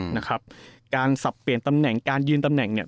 นะครับการสับเปลี่ยนตำแหน่งการยืนตำแหน่งเนี่ย